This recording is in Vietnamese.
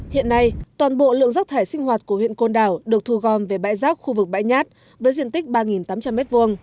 hiện nay toàn bộ lượng rác thải sinh hoạt của huyện côn đảo được thu gom về bãi rác khu vực bãi nhát với diện tích ba tám trăm linh m hai